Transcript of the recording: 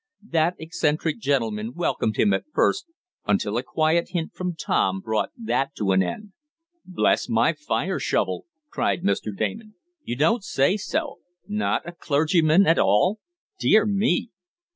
That eccentric gentleman welcomed him at first, until a quiet hint from Tom brought that to an end. "Bless my fire shovel!" cried Mr. Damon. "You don't say so! Not a clergyman at all? Dear me!"